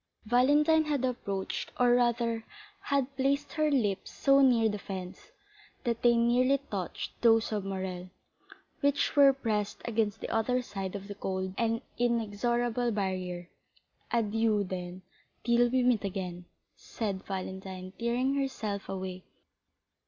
Valentine had approached, or rather, had placed her lips so near the fence, that they nearly touched those of Morrel, which were pressed against the other side of the cold and inexorable barrier. "Adieu, then, till we meet again," said Valentine, tearing herself away.